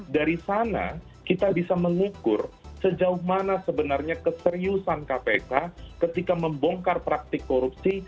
dari sana kita bisa mengukur sejauh mana sebenarnya keseriusan kpk ketika membongkar praktik korupsi